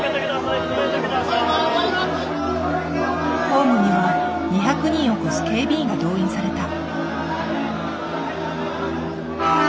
ホームには２００人を超す警備員が動員された。